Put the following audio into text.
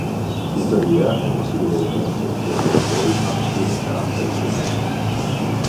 Tuttavia, è possibile riconoscere in questi autori alcuni caratteri comuni.